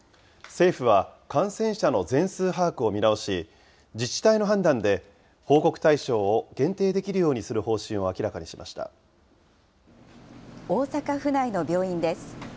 政府は、感染者の全数把握を見直し、自治体の判断で報告対象を限定できるようにする方針を明らかにし大阪府内の病院です。